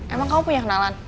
emang kamu punya kenalan